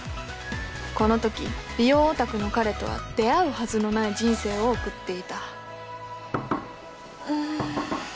この時美容オタクの彼とは出会うはずのない人生を送っていたん。